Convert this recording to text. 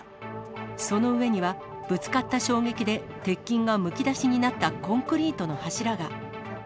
その上には、ぶつかった衝撃で鉄筋がむき出しになったコンクリートの柱が。